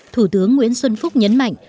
thủ tướng nguyễn xuân phúc nhấn mạnh